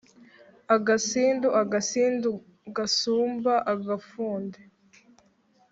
agasindu, agasindu gasumba agafundi